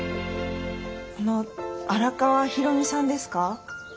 あの荒川大海さんですか？